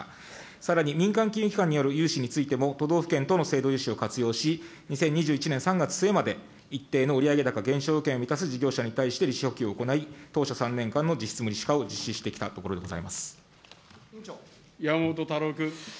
さらに民間金融機関による融資についても、都道府県等の制度融資を活用し、２０２１年３月まで一定の事業者に対して、を行い、３年間の実質無利子化を実施してきたところでございます。